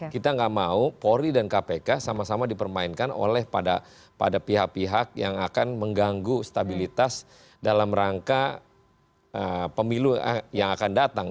kita nggak mau polri dan kpk sama sama dipermainkan oleh pada pihak pihak yang akan mengganggu stabilitas dalam rangka pemilu yang akan datang